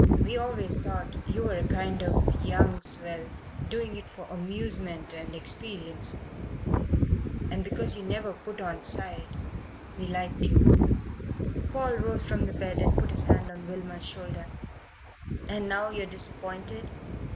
We always thought you were a kind of young swell doing it for amusement and experience and because you never put on side, we liked you." Paul rose from the bed and put his hand on Wilmer's shoulder. "And now you're disappointed?"